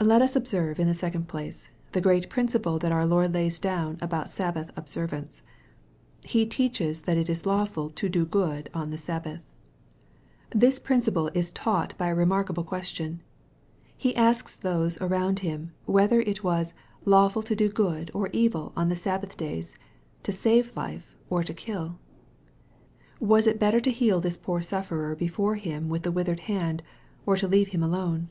Let us observe, in the second place, the great principle that our Lord lays down about Sabbath observance. He teaches that it is lawful " to do good" on the Sabbath. This principle is taught by a remarkable question. He asks those around Him, whether it was " lawful to do good or evil on the Sabbath days, to save life, or to kill ?" Was it better to heal this poor sufferer before Him with the withered hand, or to leave him alone